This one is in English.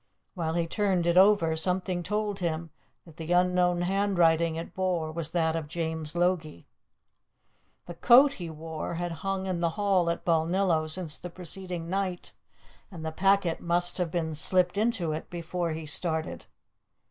While he turned it over something told him that the unknown handwriting it bore was that of James Logie. The coat he wore had hung in the hall at Balnillo since the preceding night, and the packet must have been slipped into it before he started.